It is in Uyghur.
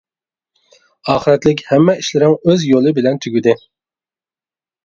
ئاخىرەتلىك ھەممە ئىشلىرىڭ ئۆز يولى بىلەن تۈگىدى.